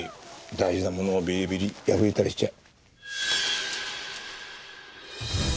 大事なものをビリビリ破いたりしちゃ。